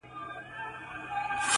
د هر وګړي زړه ټکور وو اوس به وي او کنه-